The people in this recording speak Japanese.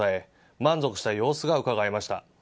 満足した様子がうかがえました。